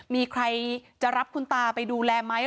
มีใครจะรับคุณตาไปดูแลไหม